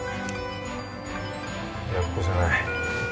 いやここじゃない。